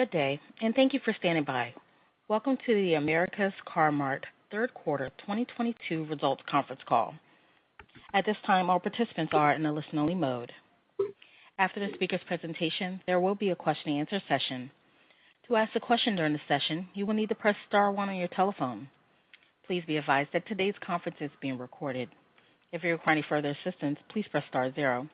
Good day, and thank you for standing by. Welcome to the America's Car-Mart third quarter 2022 results conference call. At this time, all participants are in a listen-only mode. After the speaker's presentation, there will be a question and answer session. To ask a question during the session, you will need to press star one on your telephone. Please be advised that today's conference is being recorded. If you require any further assistance, please press star zero.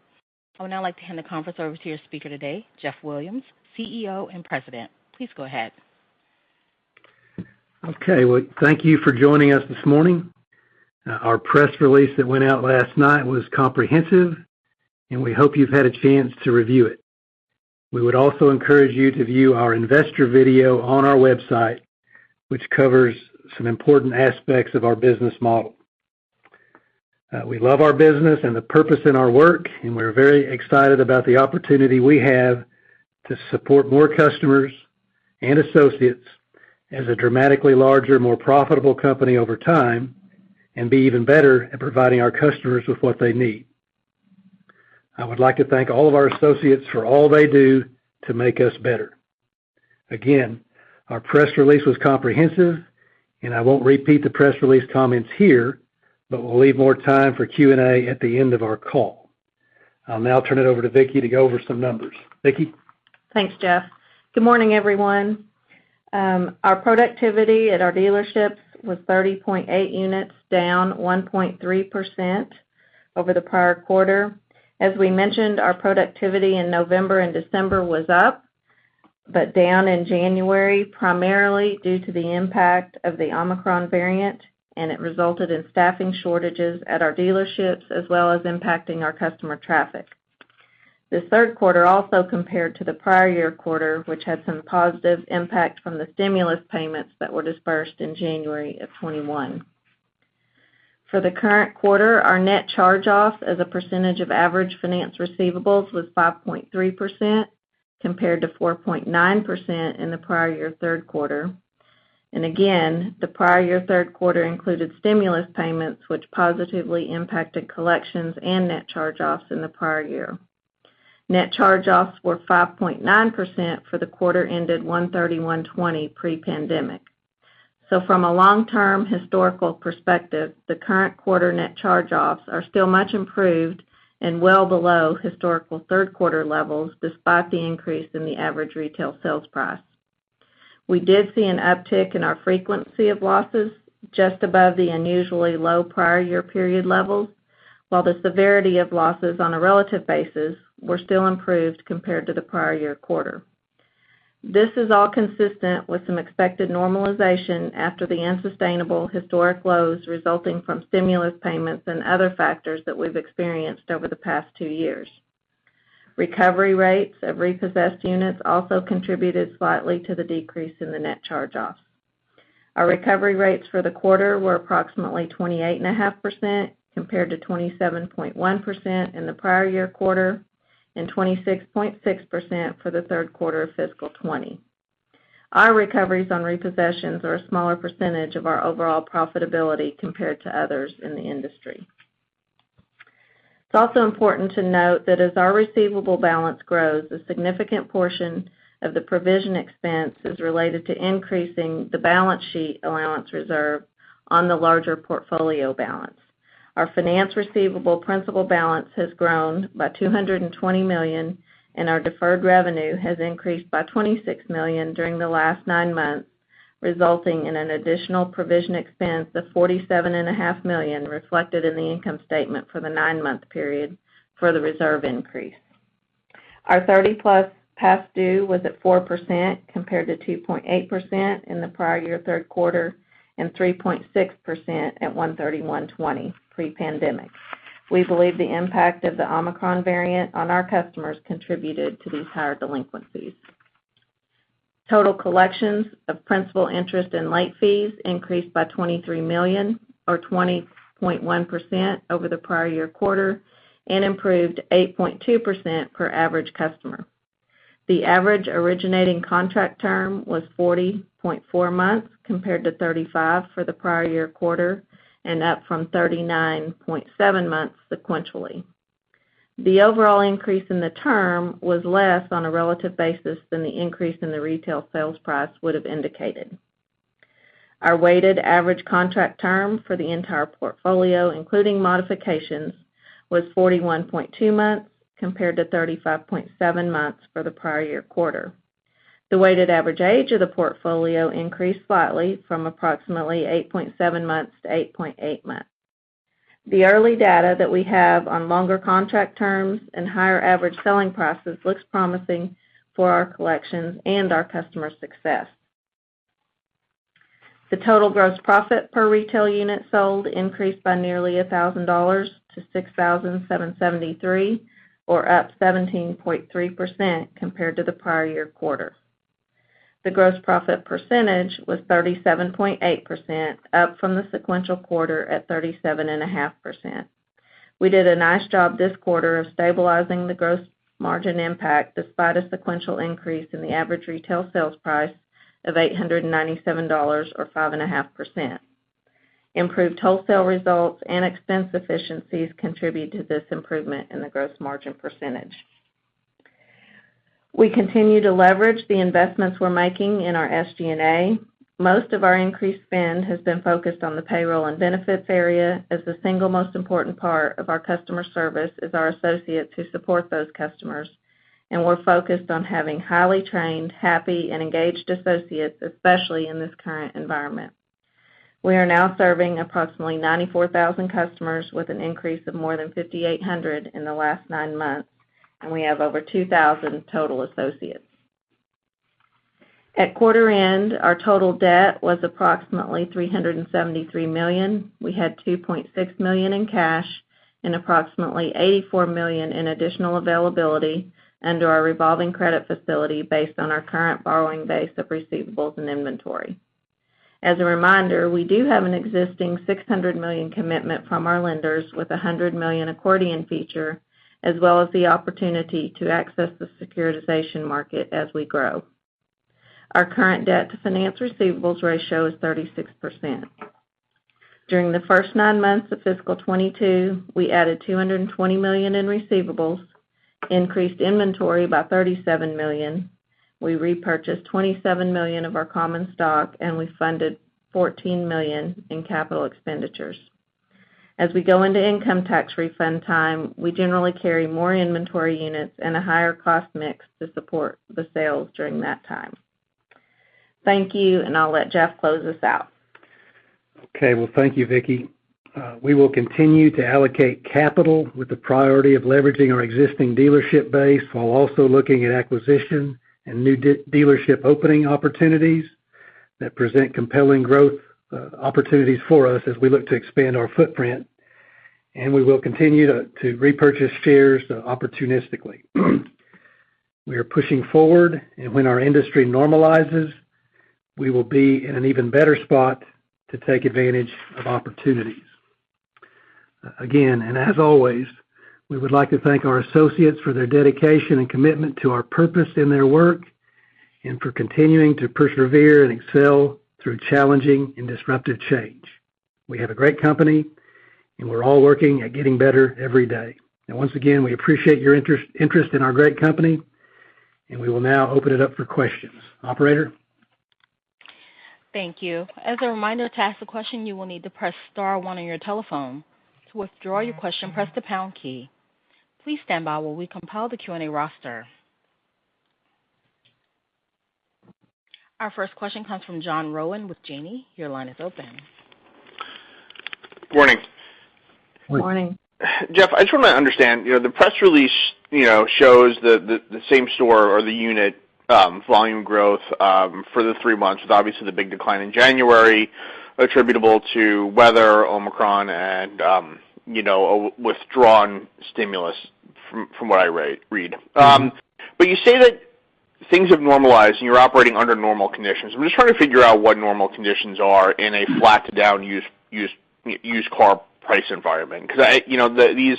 I would now like to hand the conference over to your speaker today, Jeff Williams, CEO and President. Please go ahead. Okay. Well, thank you for joining us this morning. Our press release that went out last night was comprehensive, and we hope you've had a chance to review it. We would also encourage you to view our investor video on our website, which covers some important aspects of our business model. We love our business and the purpose in our work, and we're very excited about the opportunity we have to support more customers and associates as a dramatically larger, more profitable company over time and be even better at providing our customers with what they need. I would like to thank all of our associates for all they do to make us better. Again, our press release was comprehensive, and I won't repeat the press release comments here, but we'll leave more time for Q&A at the end of our call. I'll now turn it over to Vickie to go over some numbers. Vickie? Thanks, Jeff. Good morning, everyone. Our productivity at our dealerships was 30.8 units, down 1.3% over the prior quarter. As we mentioned, our productivity in November and December was up, but down in January, primarily due to the impact of the Omicron variant, and it resulted in staffing shortages at our dealerships, as well as impacting our customer traffic. The third quarter also compared to the prior year quarter, which had some positive impact from the stimulus payments that were dispersed in January of 2021. For the current quarter, our net charge-off as a percentage of average finance receivables was 5.3% compared to 4.9% in the prior year third quarter. Again, the prior year third quarter included stimulus payments, which positively impacted collections and net charge-offs in the prior year. Net charge-offs were 5.9% for the quarter ended 1/31/2020 pre-pandemic. From a long-term historical perspective, the current quarter net charge-offs are still much improved and well below historical third quarter levels, despite the increase in the average retail sales price. We did see an uptick in our frequency of losses just above the unusually low prior year period levels, while the severity of losses on a relative basis were still improved compared to the prior year quarter. This is all consistent with some expected normalization after the unsustainable historic lows resulting from stimulus payments and other factors that we've experienced over the past two years. Recovery rates of repossessed units also contributed slightly to the decrease in the net charge-offs. Our recovery rates for the quarter were approximately 28.5% compared to 27.1% in the prior year quarter and 26.6% for the third quarter of fiscal 2020. Our recoveries on repossessions are a smaller percentage of our overall profitability compared to others in the industry. It's also important to note that as our receivable balance grows, a significant portion of the provision expense is related to increasing the balance sheet allowance reserve on the larger portfolio balance. Our finance receivable principal balance has grown by $220 million, and our deferred revenue has increased by $26 million during the last nine months, resulting in an additional provision expense of $47.5 million reflected in the income statement for the nine-month period for the reserve increase. Our 30+ past due was at 4% compared to 2.8% in the prior-year third quarter and 3.6% at 1/31/2020 pre-pandemic. We believe the impact of the Omicron variant on our customers contributed to these higher delinquencies. Total collections of principal interest and late fees increased by $23 million or 20.1% over the prior-year quarter and improved 8.2% per average customer. The average originating contract term was 40.4 months compared to 35 for the prior-year quarter and up from 39.7 months sequentially. The overall increase in the term was less on a relative basis than the increase in the retail sales price would have indicated. Our weighted average contract term for the entire portfolio, including modifications, was 41.2 months compared to 35.7 months for the prior year quarter. The weighted average age of the portfolio increased slightly from approximately 8.7 months to 8.8 months. The early data that we have on longer contract terms and higher average selling prices looks promising for our collections and our customer success. The total gross profit per retail unit sold increased by nearly $1,000 to $6,773, or up 17.3% compared to the prior year quarter. The gross profit percentage was 37.8%, up from the sequential quarter at 37.5%. We did a nice job this quarter of stabilizing the gross margin impact despite a sequential increase in the average retail sales price of $897, or 5.5%. Improved wholesale results and expense efficiencies contribute to this improvement in the gross margin percentage. We continue to leverage the investments we're making in our SG&A. Most of our increased spend has been focused on the payroll and benefits area as the single most important part of our customer service is our associates who support those customers, and we're focused on having highly trained, happy, and engaged associates, especially in this current environment. We are now serving approximately 94,000 customers with an increase of more than 5,800 in the last nine months, and we have over 2,000 total associates. At quarter end, our total debt was approximately $373 million. We had $2.6 million in cash and approximately $84 million in additional availability under our revolving credit facility based on our current borrowing base of receivables and inventory. As a reminder, we do have an existing $600 million commitment from our lenders with a $100 million accordion feature, as well as the opportunity to access the securitization market as we grow. Our current debt-to-finance receivables ratio is 36%. During the first nine months of fiscal 2022, we added $220 million in receivables, increased inventory by $37 million, we repurchased $27 million of our common stock, and we funded $14 million in capital expenditures. As we go into income tax refund time, we generally carry more inventory units and a higher cost mix to support the sales during that time. Thank you, and I'll let Jeff close us out. Okay. Well, thank you, Vickie. We will continue to allocate capital with the priority of leveraging our existing dealership base while also looking at acquisition and new dealership opening opportunities that present compelling growth opportunities for us as we look to expand our footprint, and we will continue to repurchase shares opportunistically. We are pushing forward, and when our industry normalizes, we will be in an even better spot to take advantage of opportunities. Again, and as always, we would like to thank our associates for their dedication and commitment to our purpose in their work and for continuing to persevere and excel through challenging and disruptive change. We have a great company, and we're all working at getting better every day. Once again, we appreciate your interest in our great company, and we will now open it up for questions. Operator? Thank you. As a reminder, to ask a question, you will need to press star one on your telephone. To withdraw your question, press the pound key. Please stand by while we compile the Q&A roster. Our first question comes from John Rowan with Janney. Your line is open. Morning. Morning. Jeff, I just wanna understand, you know, the press release, you know, shows the same-store or the unit volume growth for the three months with obviously the big decline in January attributable to weather, Omicron, and you know, a withdrawn stimulus from what I read. You say that things have normalized and you're operating under normal conditions. I'm just trying to figure out what normal conditions are in a flat-to-down used car price environment because you know, these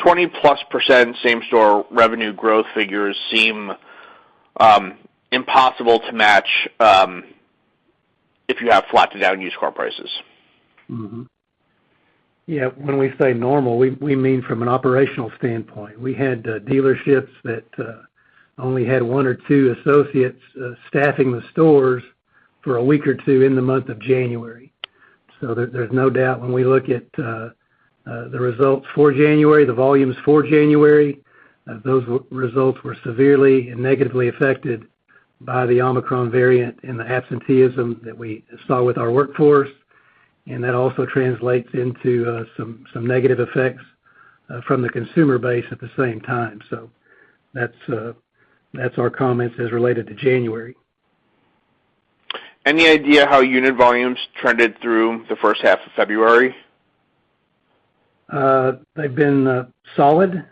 20%+ same-store revenue growth figures seem impossible to match if you have flat-to-down used car prices. When we say normal, we mean from an operational standpoint. We had dealerships that only had one or two associates staffing the stores for a week or two in the month of January. There's no doubt when we look at the results for January, the volumes for January, those results were severely and negatively affected by the Omicron variant and the absenteeism that we saw with our workforce, and that also translates into some negative effects from the consumer base at the same time. That's our comments as related to January. Any idea how unit volumes trended through the first half of February? They've been solid.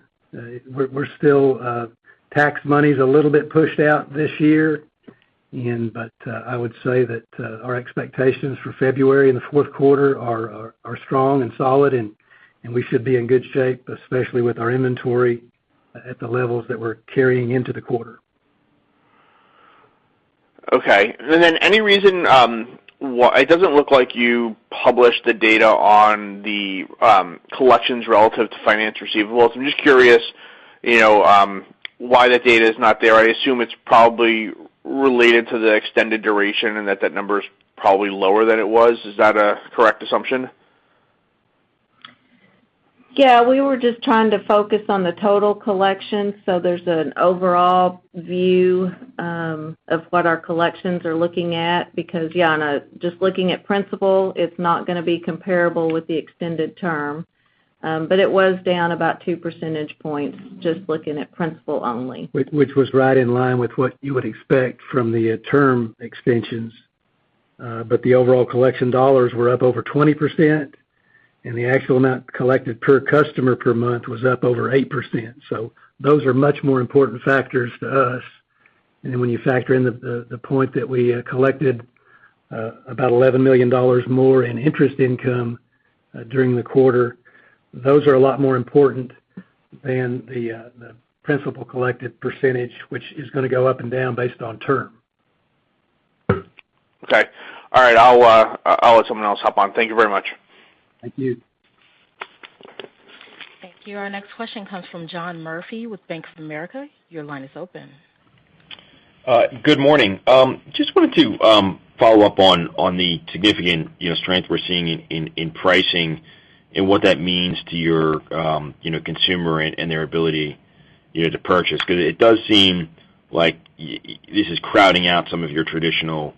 Tax money's a little bit pushed out this year. I would say that our expectations for February in the fourth quarter are strong and solid, and we should be in good shape, especially with our inventory at the levels that we're carrying into the quarter. Okay. Any reason it doesn't look like you published the data on the collections relative to finance receivables? I'm just curious, you know, why that data is not there. I assume it's probably related to the extended duration and that that number is probably lower than it was. Is that a correct assumption? Yeah. We were just trying to focus on the total collection, so there's an overall view of what our collections are looking at because, yeah, no, just looking at principal, it's not gonna be comparable with the extended term. It was down about 2 percentage points, just looking at principal only. Which was right in line with what you would expect from the term extensions. The overall collection dollars were up over 20%, and the actual amount collected per customer per month was up over 8%. Those are much more important factors to us. When you factor in the point that we collected about $11 million more in interest income during the quarter, those are a lot more important than the principal collected percentage, which is gonna go up and down based on term. Okay. All right. I'll let someone else hop on. Thank you very much. Thank you. Thank you. Our next question comes from John Murphy with Bank of America. Your line is open. Good morning. Just wanted to follow up on the significant, you know, strength we're seeing in pricing and what that means to your, you know, consumer and their ability, you know, to purchase. Because it does seem like this is crowding out some of your traditional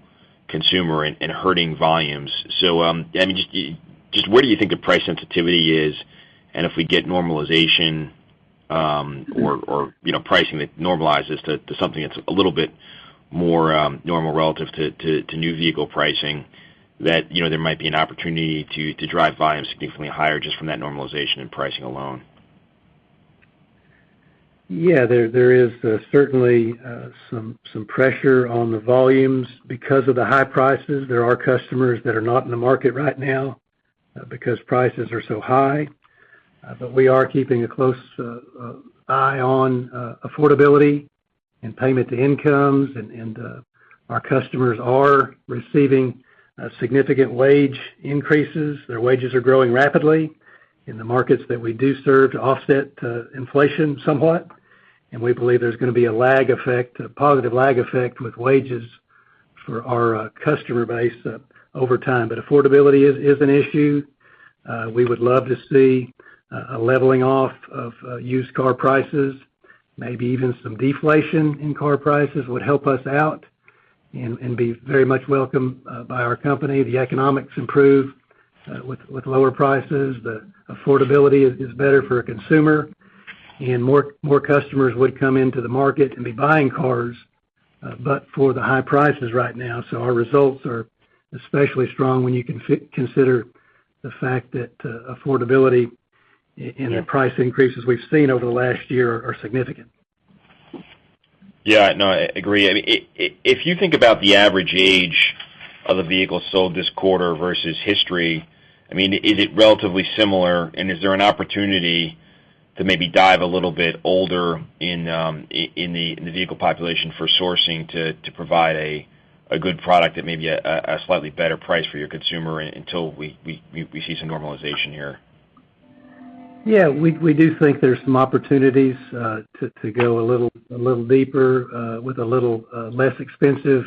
consumer and hurting volumes. I mean, just where do you think the price sensitivity is? If we get normalization, or, you know, pricing that normalizes to something that's a little bit more normal relative to new vehicle pricing, that, you know, there might be an opportunity to drive volumes significantly higher just from that normalization in pricing alone. Yeah. There is certainly some pressure on the volumes because of the high prices. There are customers that are not in the market right now because prices are so high. We are keeping a close eye on affordability and payment to incomes, and our customers are receiving significant wage increases. Their wages are growing rapidly in the markets that we do serve to offset inflation somewhat, and we believe there's gonna be a lag effect, a positive lag effect with wages for our customer base over time. Affordability is an issue. We would love to see a leveling off of used car prices. Maybe even some deflation in car prices would help us out and be very much welcome by our company. The economics improve with lower prices. The affordability is better for a consumer, and more customers would come into the market and be buying cars but for the high prices right now. Our results are especially strong when you consider the fact that affordability and the price increases we've seen over the last year are significant. Yeah. No, I agree. I mean, if you think about the average age of the vehicles sold this quarter versus history, I mean, is it relatively similar, and is there an opportunity to maybe dive a little bit older in the vehicle population for sourcing to provide a slightly better price for your consumer until we see some normalization here? Yeah. We do think there's some opportunities to go a little deeper with a little less expensive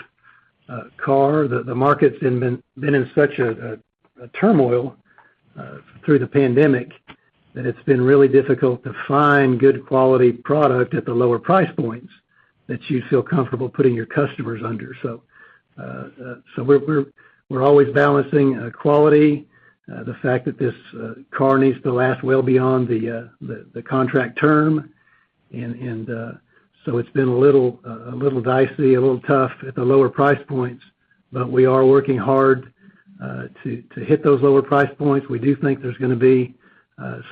car. The market's been in such a turmoil through the pandemic that it's been really difficult to find good quality product at the lower price points that you feel comfortable putting your customers under. We're always balancing quality, the fact that this car needs to last well beyond the contract term. It's been a little dicey, a little tough at the lower price points, but we are working hard to hit those lower price points. We do think there's gonna be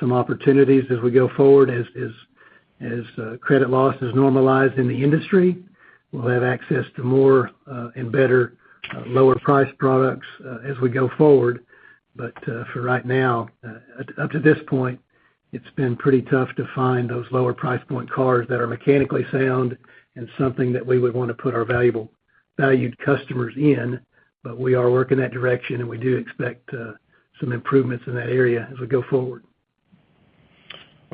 some opportunities as we go forward as credit losses normalize in the industry. We'll have access to more, and better lower price products, as we go forward. For right now, up to this point, it's been pretty tough to find those lower price point cars that are mechanically sound and something that we would wanna put our valued customers in. We are working that direction, and we do expect some improvements in that area as we go forward.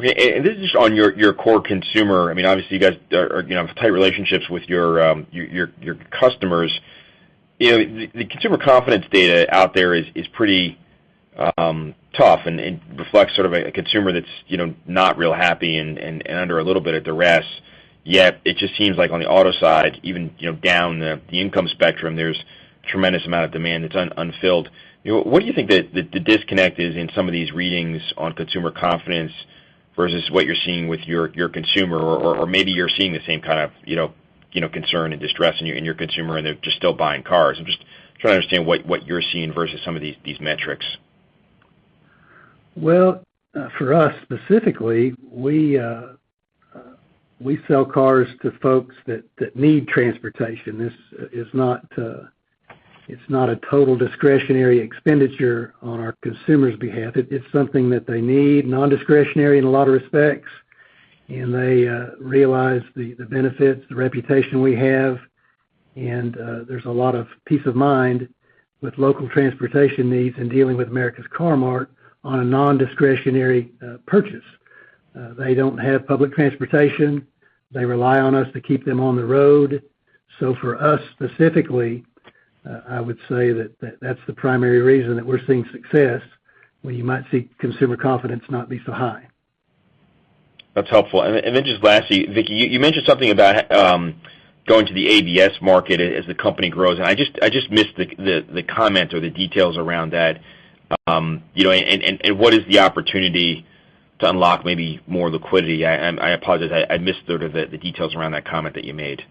Okay. This is on your core consumer. I mean, obviously, you guys are, you know, have tight relationships with your customers. You know, the consumer confidence data out there is pretty tough and reflects sort of a consumer that's, you know, not real happy and under a little bit of duress. Yet, it just seems like on the auto side, you know, down the income spectrum, there's tremendous amount of demand that's unfilled. You know, what do you think the disconnect is in some of these readings on consumer confidence versus what you're seeing with your consumer? Maybe you're seeing the same kind of, you know, concern and distress in your consumer, and they're just still buying cars. I'm just trying to understand what you're seeing versus some of these metrics. Well, for us specifically, we sell cars to folks that need transportation. This is not, it's not a total discretionary expenditure on our consumers' behalf. It's something that they need, non-discretionary in a lot of respects, and they realize the benefits, the reputation we have. There's a lot of peace of mind with local transportation needs in dealing with America's Car-Mart on a non-discretionary purchase. They don't have public transportation. They rely on us to keep them on the road. For us specifically, I would say that's the primary reason that we're seeing success when you might see consumer confidence not be so high. That's helpful. Just lastly, Vickie, you mentioned something about going to the ABS market as the company grows, and I just missed the comment or the details around that. You know, and what is the opportunity to unlock maybe more liquidity? I apologize. I missed sort of the details around that comment that you made.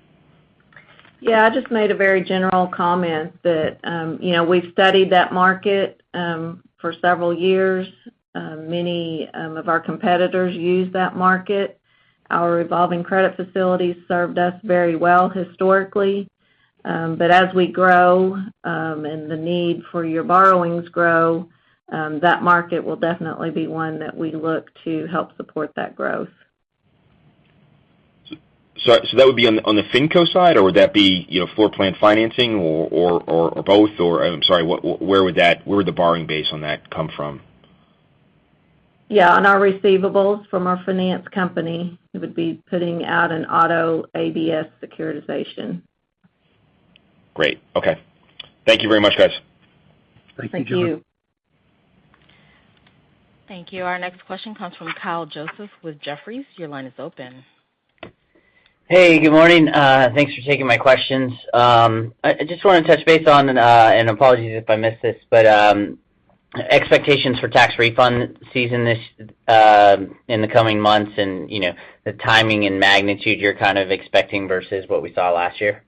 Yeah. I just made a very general comment that, you know, we've studied that market for several years. Many of our competitors use that market. Our revolving credit facilities served us very well historically. As we grow, and the need for our borrowings grow, that market will definitely be one that we look to help support that growth. That would be on the finco side, or would that be, you know, floor plan financing or both? I'm sorry, where would the borrowing base on that come from? Yeah, on our receivables from our finance company, we would be putting out an auto ABS securitization. Great. Okay. Thank you very much, guys. Thank you. Thank you. Thank you. Our next question comes from Kyle Joseph with Jefferies. Your line is open. Hey, good morning. Thanks for taking my questions. I just wanna touch base on and apologies if I missed this, but expectations for tax refund season this in the coming months and, you know, the timing and magnitude you're kind of expecting versus what we saw last year.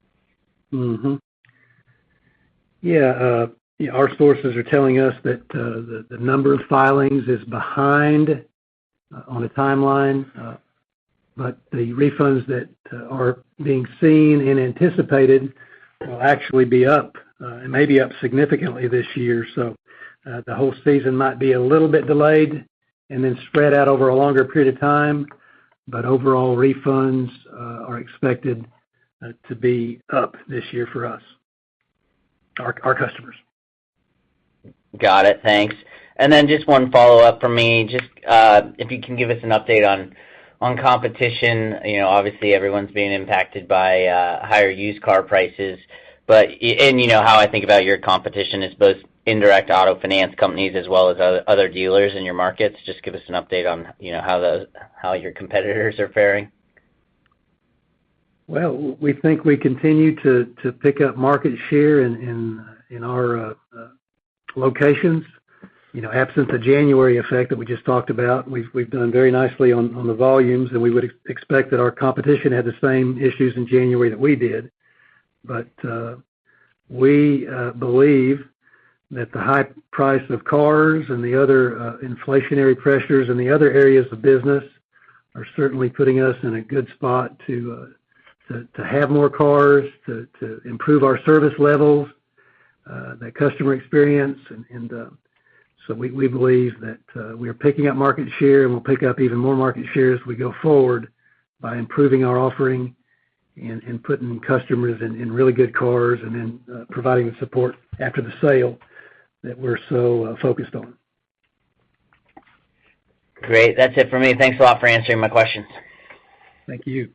Our sources are telling us that the number of filings is behind on the timeline, but the refunds that are being seen and anticipated will actually be up, and maybe up significantly this year. The whole season might be a little bit delayed and then spread out over a longer period of time. Overall refunds are expected to be up this year for us, our customers. Got it. Thanks. Just one follow-up from me. Just, if you can give us an update on competition. You know, obviously everyone's being impacted by higher used car prices. You know how I think about your competition is both indirect auto finance companies as well as other dealers in your markets. Just give us an update on, you know, how your competitors are faring. Well, we think we continue to pick up market share in our locations. You know, absent the January effect that we just talked about, we've done very nicely on the volumes, and we would expect that our competition had the same issues in January that we did. We believe that the high price of cars and the other inflationary pressures in the other areas of business are certainly putting us in a good spot to have more cars, to improve our service levels, the customer experience. We believe that we are picking up market share, and we'll pick up even more market share as we go forward by improving our offering and putting customers in really good cars and then providing the support after the sale that we're so focused on. Great. That's it for me. Thanks a lot for answering my questions. Thank you.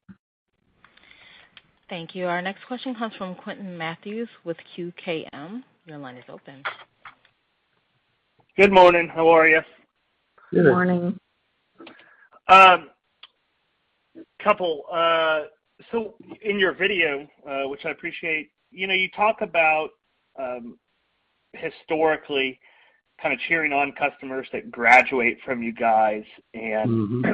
Thank you. Our next question comes from Quinton Mathews with QKM. Your line is open. Good morning. How are you? Good. Morning. In your video, which I appreciate, you know, you talk about, historically kind of cheering on customers that graduate from you guys and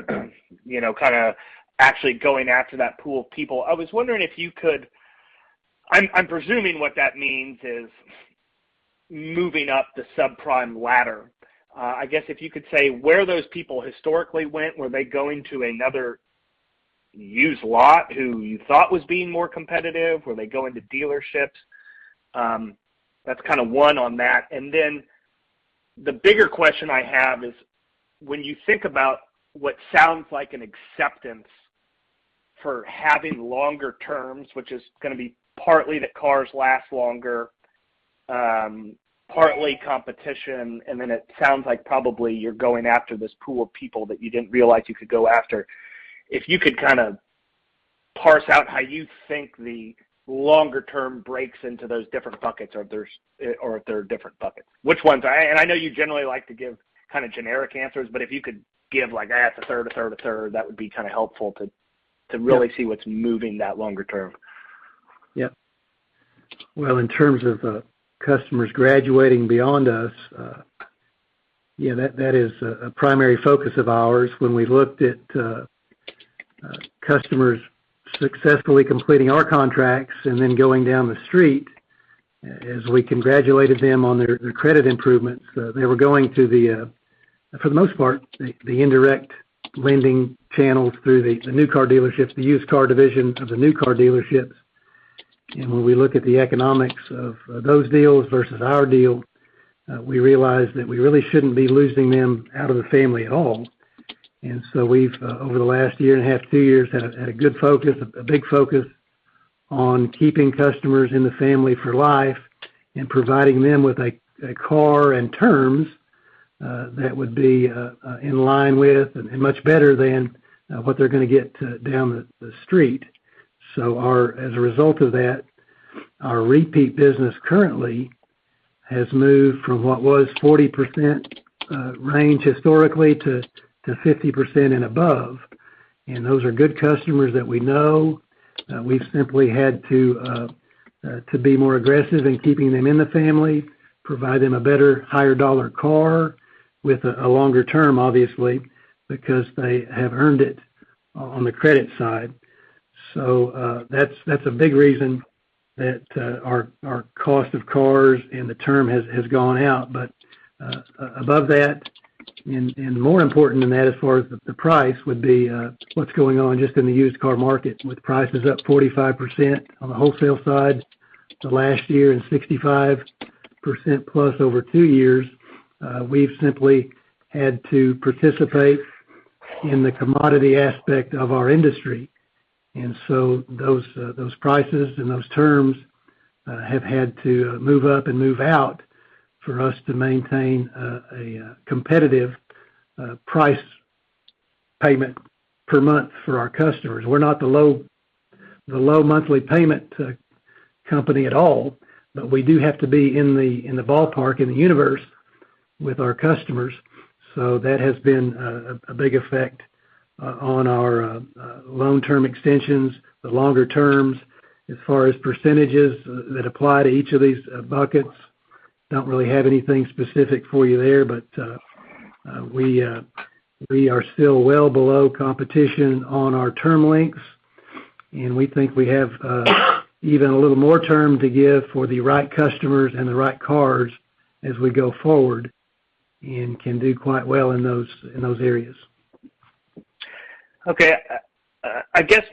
you know, kinda actually going after that pool of people. I was wondering if you could. I'm presuming what that means is moving up the subprime ladder. I guess if you could say where those people historically went, were they going to another used lot who you thought was being more competitive? Were they going to dealerships? That's kind of one on that. Then the bigger question I have is, when you think about what sounds like an acceptance for having longer terms, which is gonna be partly that cars last longer, partly competition, and then it sounds like probably you're going after this pool of people that you didn't realize you could go after. If you could kinda parse out how you think the longer term breaks into those different buckets or if they're different buckets. Which ones? I know you generally like to give kind of generic answers, but if you could give like a third, that would be kind of helpful to really see what's moving that longer term. Yeah. Well, in terms of customers graduating beyond us, yeah, that is a primary focus of ours. When we looked at customers successfully completing our contracts and then going down the street as we congratulated them on their credit improvements, they were going to, for the most part, the indirect lending channels through the new car dealerships, the used car division of the new car dealerships. When we look at the economics of those deals versus our deal, we realized that we really shouldn't be losing them out of the family at all. We've over the last year and a half, two years, had a good focus, a big focus on keeping customers in the family for life and providing them with a car and terms that would be in line with and much better than what they're gonna get down the street. As a result of that, our repeat business currently has moved from what was 40% range historically to 50% and above. Those are good customers that we know. We've simply had to be more aggressive in keeping them in the family, provide them a better, higher dollar car with a longer term, obviously, because they have earned it on the credit side. That's a big reason that our cost of cars and the term has gone out. Above that, and more important than that as far as the price would be, what's going on just in the used car market, with prices up 45% on the wholesale side to last year and 65%+ over two years, we've simply had to participate in the commodity aspect of our industry. Those prices and those terms have had to move up and move out for us to maintain a competitive price payment per month for our customers. We're not the low monthly payment company at all, but we do have to be in the ballpark, in the universe with our customers. That has been a big effect on our long-term extensions, the longer terms as far as percentages that apply to each of these buckets. Don't really have anything specific for you there, but we are still well below competition on our term lengths, and we think we have even a little more term to give for the right customers and the right cars as we go forward, and can do quite well in those areas. Okay. I guess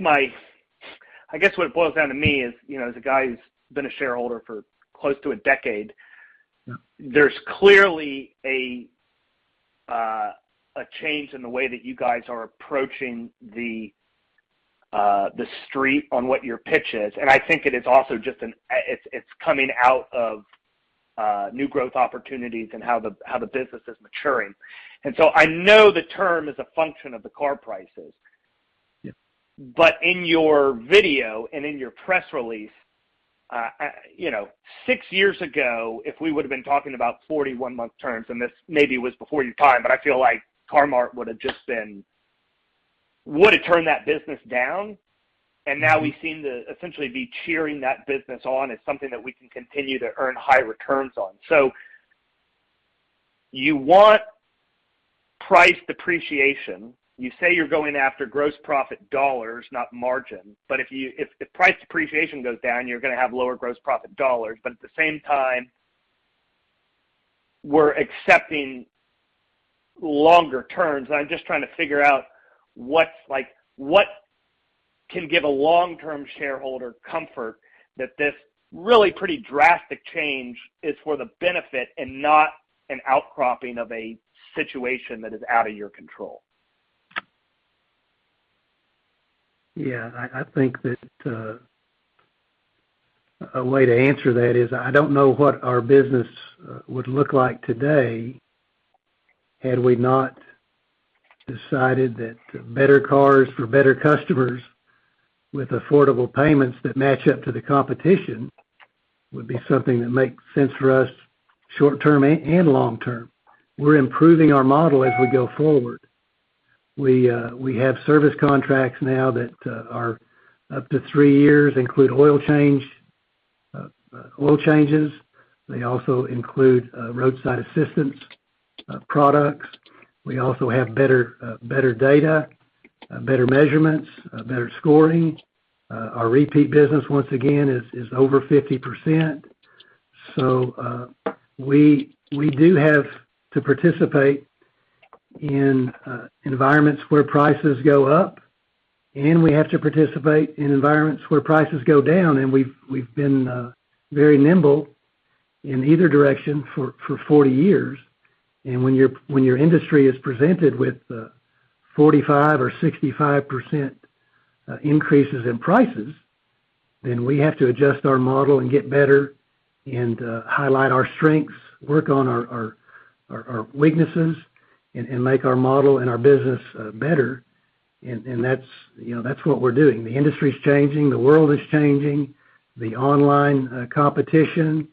what it boils down to me is, you know, as a guy who's been a shareholder for close to a decade, there's clearly a change in the way that you guys are approaching the street on what your pitch is. I think it is also just coming out of new growth opportunities and how the business is maturing. I know the term is a function of the car prices. Yeah. In your video and in your press release, you know, six years ago, if we would've been talking about 41-month terms, and this maybe was before your time, but I feel like Car-Mart would've just turned that business down. Now we seem to essentially be cheering that business on as something that we can continue to earn high returns on. You want price depreciation. You say you're going after gross profit dollars, not margin. If price depreciation goes down, you're gonna have lower gross profit dollars. At the same time, we're accepting longer terms. I'm just trying to figure out what's like, what can give a long-term shareholder comfort that this really pretty drastic change is for the benefit and not an outcropping of a situation that is out of your control. Yeah. I think that a way to answer that is, I don't know what our business would look like today had we not decided that better cars for better customers with affordable payments that match up to the competition would be something that makes sense for us short-term and long-term. We're improving our model as we go forward. We have service contracts now that are up to three years, include oil changes. They also include roadside assistance products. We also have better data, better measurements, better scoring. Our repeat business, once again, is over 50%. We do have to participate in environments where prices go up, and we have to participate in environments where prices go down, and we've been very nimble in either direction for 40 years. When your industry is presented with 45% or 65% increases in prices, then we have to adjust our model and get better and highlight our strengths, work on our weaknesses, and make our model and our business better. That's, you know, that's what we're doing. The industry's changing. The world is changing. The online competition,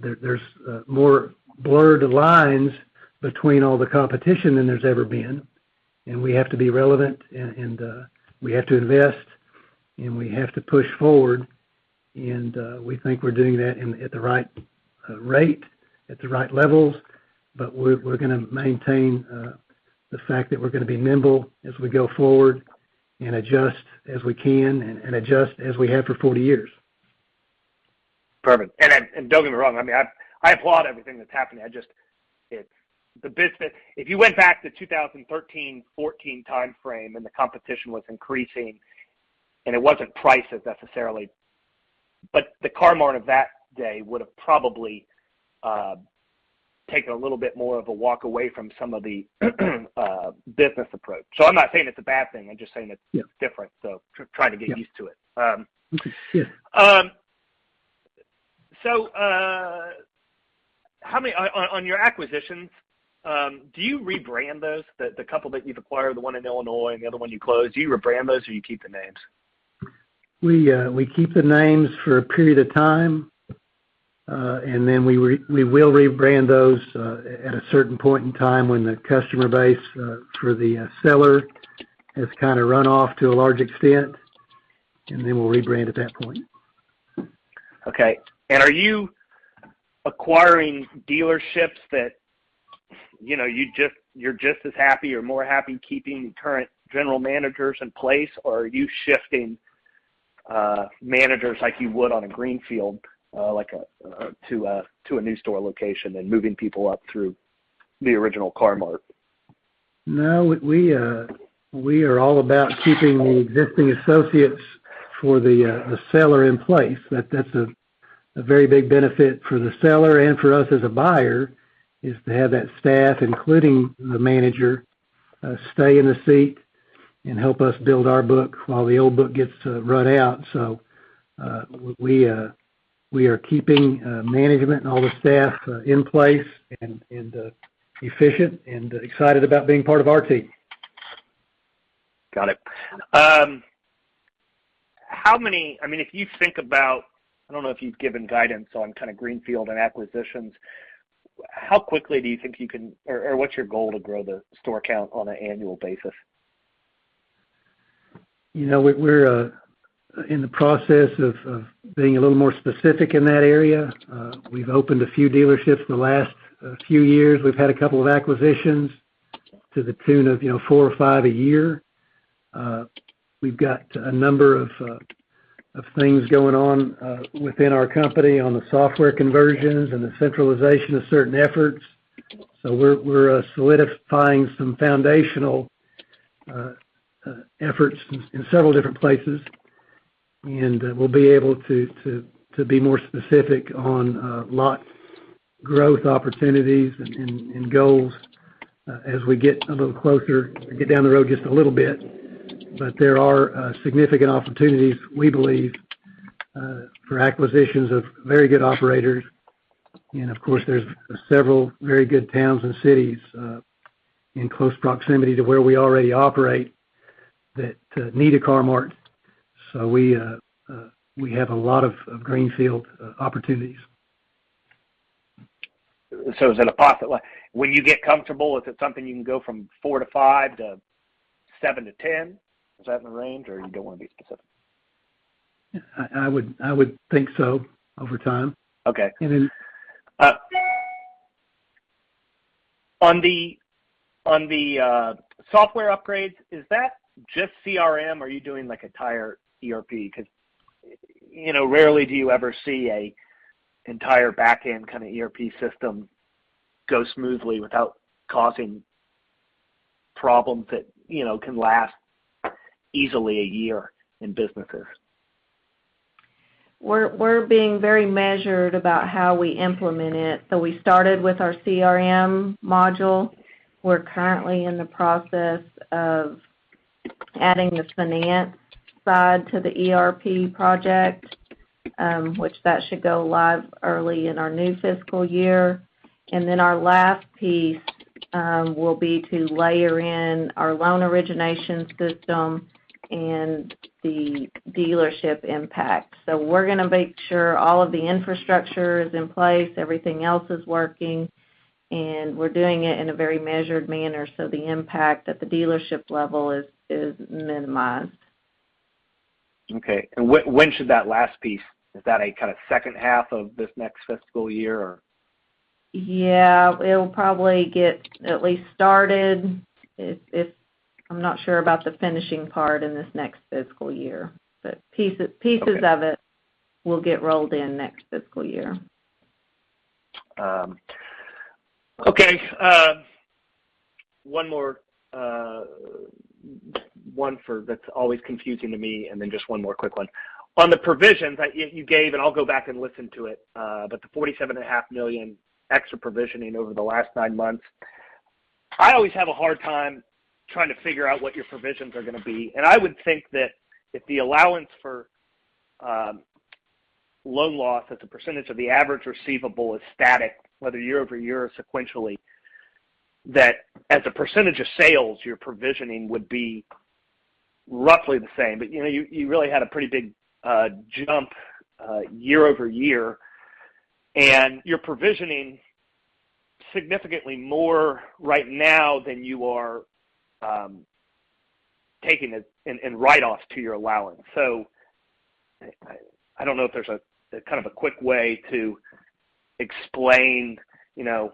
there's more blurred lines between all the competition than there's ever been. We have to be relevant and we have to invest, and we have to push forward. We think we're doing that at the right rate, at the right levels. We're gonna maintain the fact that we're gonna be nimble as we go forward and adjust as we can and adjust as we have for forty years. Perfect. Don't get me wrong, I mean, I applaud everything that's happening. I just, the business. If you went back to 2013, 2014 timeframe, and the competition was increasing, and it wasn't prices necessarily, but the Car-Mart of that day would have probably taken a little bit more of a walk away from some of the business approach. I'm not saying it's a bad thing. I'm just saying it's different. Trying to get used to it. Yeah. On your acquisitions, do you rebrand those? The couple that you've acquired, the one in Illinois and the other one you closed, do you rebrand those or you keep the names? We keep the names for a period of time, and then we will rebrand those at a certain point in time when the customer base for the seller has kinda run off to a large extent, and then we'll rebrand at that point. Okay. Are you acquiring dealerships that, you know, you're just as happy or more happy keeping current general managers in place? Or are you shifting managers like you would on a greenfield, like, to a new store location and moving people up through the original Car-Mart? No, we are all about keeping the existing associates for the seller in place. That's a very big benefit for the seller and for us as a buyer, is to have that staff, including the manager, stay in the seat and help us build our book while the old book gets run out. We are keeping management and all the staff in place and efficient and excited about being part of our team. Got it. I mean, if you think about, I don't know if you've given guidance on kind of greenfield and acquisitions, how quickly do you think you can or what's your goal to grow the store count on an annual basis? You know, we're in the process of being a little more specific in that area. We've opened a few dealerships in the last few years. We've had a couple of acquisitions to the tune of, you know, four or five a year. We've got a number of things going on within our company on the software conversions and the centralization of certain efforts. We're solidifying some foundational efforts in several different places, and we'll be able to be more specific on lot growth opportunities and goals as we get a little closer or get down the road just a little bit. There are significant opportunities, we believe, for acquisitions of very good operators. Of course, there's several very good towns and cities in close proximity to where we already operate that need a Car-Mart. We have a lot of greenfield opportunities. Like, when you get comfortable, is it something you can go from four to five to seven to 10? Is that in the range or you don't want to be specific? I would think so over time. Okay. And then- On the software upgrades, is that just CRM? Are you doing, like, entire ERP? Because, you know, rarely do you ever see a entire backend kind of ERP system go smoothly without causing problems that, you know, can last easily a year in business. We're being very measured about how we implement it. We started with our CRM module. We're currently in the process of adding this finance side to the ERP project, which should go live early in our new fiscal year. Then our last piece will be to layer in our loan origination system and the dealership impact. We're gonna make sure all of the infrastructure is in place, everything else is working, and we're doing it in a very measured manner so the impact at the dealership level is minimized. Okay. When should that last piece, is that a kind of second half of this next fiscal year or? Yeah, it'll probably get at least started. I'm not sure about the finishing part in this next fiscal year. Okay. Pieces of it will get rolled in next fiscal year. Okay. One more, one that's always confusing to me and then just one more quick one. On the provisions that you gave, and I'll go back and listen to it, but the $47.5 million extra provisioning over the last nine months, I always have a hard time trying to figure out what your provisions are gonna be. I would think that if the allowance for loan loss as a percentage of the average receivable is static, whether year-over-year or sequentially, that as a percentage of sales, your provisioning would be roughly the same. You know, you really had a pretty big jump year-over-year, and you're provisioning significantly more right now than you are taking it in write-offs to your allowance. I don't know if there's a kind of a quick way to explain, you know,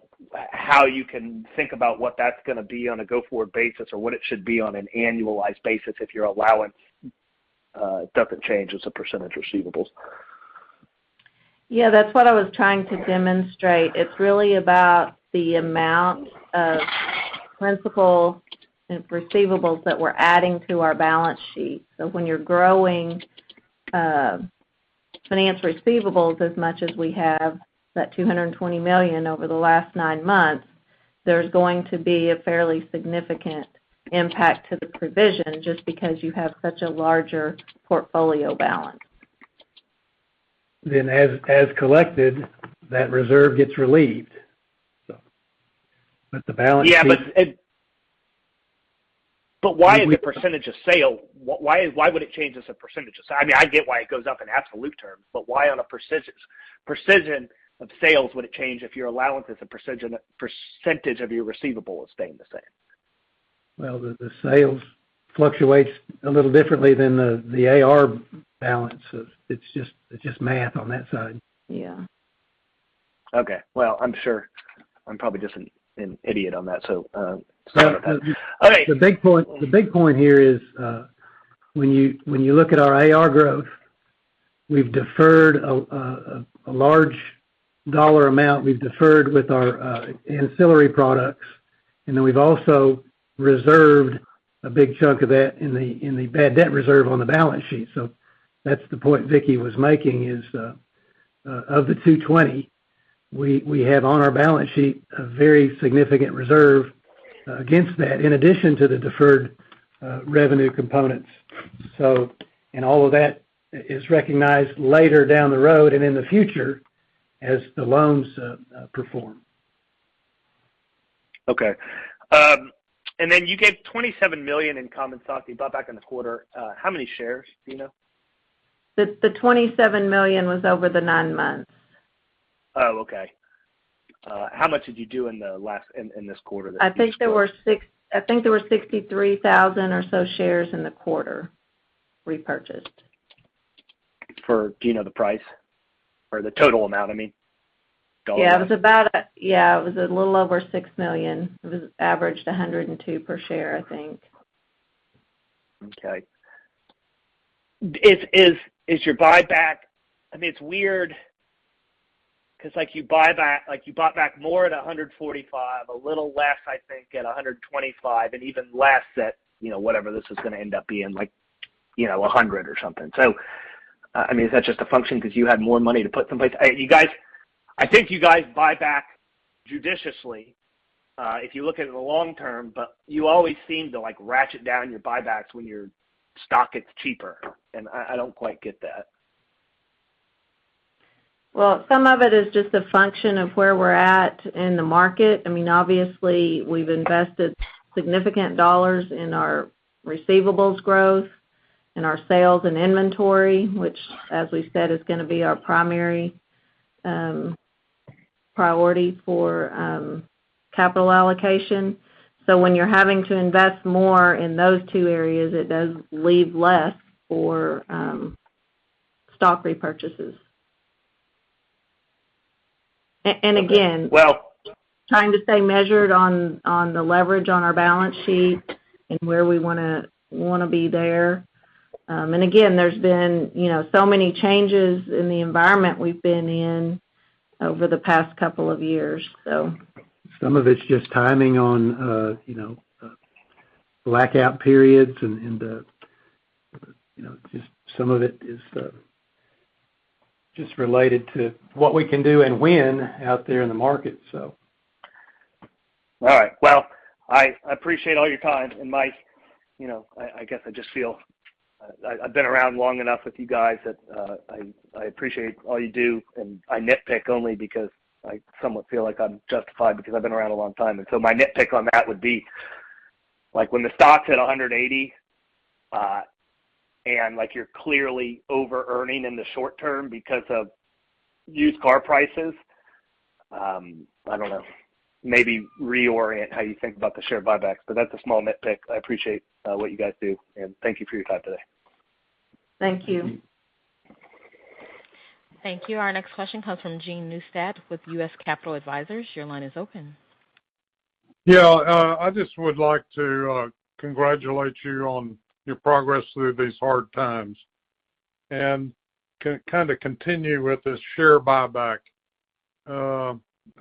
how you can think about what that's gonna be on a go-forward basis or what it should be on an annualized basis if your allowance doesn't change as a percentage receivables. Yeah, that's what I was trying to demonstrate. It's really about the amount of principal and receivables that we're adding to our balance sheet. When you're growing finance receivables as much as we have, that $220 million over the last nine months, there's going to be a fairly significant impact to the provision just because you have such a larger portfolio balance. As collected, that reserve gets relieved, so. The balance sheet- Why would it change as a percentage? I mean, I get why it goes up in absolute terms, but why on a percentage of sales would it change if your allowance as a percentage of your receivable is staying the same? Well, the sales fluctuates a little differently than the AR balance. It's just math on that side. Yeah. Okay. Well, I'm sure I'm probably just an idiot on that. Sorry about that. All right. The big point here is, when you look at our AR growth, we've deferred a large dollar amount with our ancillary products, and then we've also reserved a big chunk of that in the bad debt reserve on the balance sheet. That's the point Vickie was making is of the $220 we have on our balance sheet a very significant reserve against that, in addition to the deferred revenue components. All of that is recognized later down the road, and in the future as the loans perform. Okay. You gave $27 million in common stock you bought back in the quarter. How many shares do you know? The $27 million was over the nine months. Oh, okay. How much did you do in this quarter that you- I think there were 63,000 or so shares in the quarter repurchased. Do you know the price or the total amount, I mean, dollar amount? Yeah, it was a little over $6 million. It was averaged $102 per share, I think. Okay. Is your buyback? I mean, it's weird 'cause like you bought back more at $145, a little less, I think, at $125, and even less at, you know, whatever this is gonna end up being like, you know, $100 or something. I mean, is that just a function because you had more money to put someplace? You guys, I think, buy back judiciously, if you look at it the long term, but you always seem to like ratchet down your buybacks when your stock gets cheaper, and I don't quite get that. Well, some of it is just a function of where we're at in the market. I mean, obviously, we've invested significant dollars in our receivables growth and our sales and inventory, which, as we said, is gonna be our primary priority for capital allocation. So when you're having to invest more in those two areas, it does leave less for stock repurchases. And again- Well- Trying to stay measured on the leverage on our balance sheet and where we wanna be there. Again, there's been, you know, so many changes in the environment we've been in over the past couple of years, so. Some of it's just timing on, you know, blackout periods and the, you know, just some of it is just related to what we can do and when out there in the market, so. All right. Well, I appreciate all your time. Mike, you know, I guess I just feel I've been around long enough with you guys that I appreciate all you do, and I nitpick only because I somewhat feel like I'm justified because I've been around a long time. My nitpick on that would be like, when the stock's at $180, and like you're clearly overearning in the short term because of used car prices, I don't know, maybe reorient how you think about the share buybacks, but that's a small nitpick. I appreciate what you guys do, and thank you for your time today. Thank you. Thank you. Our next question comes from Jean Neustadt with US Capital Advisors. Your line is open. Yeah. I just would like to congratulate you on your progress through these hard times and kinda continue with the share buyback.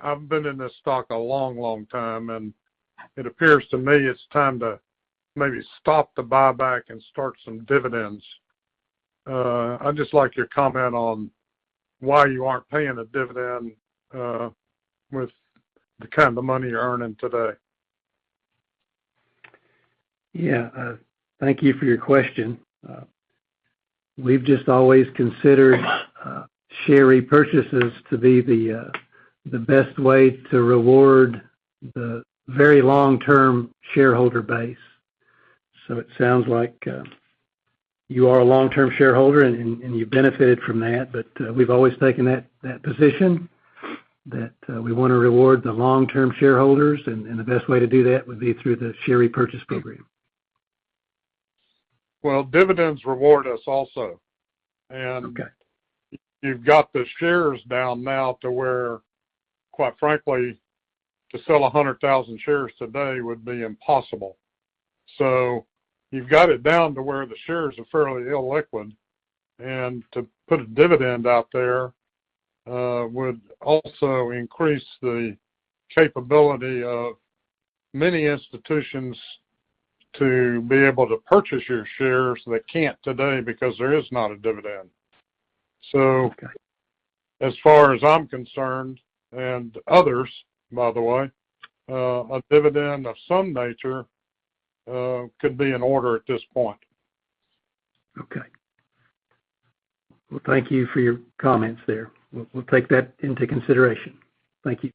I've been in this stock a long time, and it appears to me it's time to maybe stop the buyback and start some dividends. I'd just like your comment on why you aren't paying a dividend with the kind of money you're earning today. Yeah. Thank you for your question. We've just always considered share repurchases to be the best way to reward the very long-term shareholder base. It sounds like you are a long-term shareholder and you benefited from that. We've always taken that position that we wanna reward the long-term shareholders, and the best way to do that would be through the share repurchase program. Well, dividends reward us also. Okay. You've got the shares down now to where, quite frankly, to sell 100,000 shares today would be impossible. You've got it down to where the shares are fairly illiquid. To put a dividend out there would also increase the capability of many institutions to be able to purchase your shares that can't today because there is not a dividend. As far as I'm concerned, and others, by the way, a dividend of some nature could be in order at this point. Okay. Well, thank you for your comments there. We'll take that into consideration. Thank you.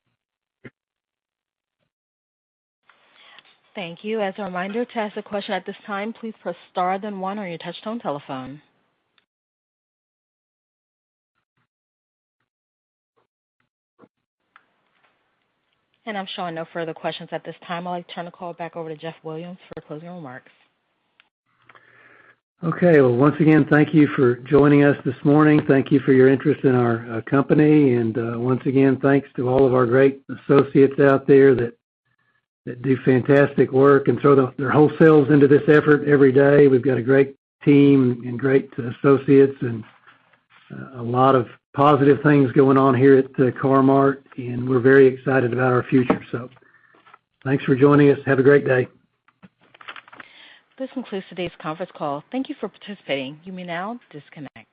Thank you. As a reminder, to ask a question at this time, please press star then one on your touchtone telephone. I'm showing no further questions at this time. I'll turn the call back over to Jeff Williams for closing remarks. Okay. Well, once again, thank you for joining us this morning. Thank you for your interest in our company. Once again, thanks to all of our great associates out there that do fantastic work and throw their whole selves into this effort every day. We've got a great team and great associates and a lot of positive things going on here at Car-Mart, and we're very excited about our future. Thanks for joining us. Have a great day. This concludes today's conference call. Thank you for participating. You may now disconnect.